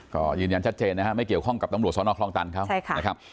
ก็ยืนยันชัดเจนนะฮะไม่เกี่ยวข้องกับตำรวจสนคลองตันเขานะครับ